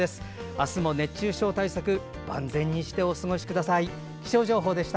明日も熱中症対策を万全にしてお過ごしください。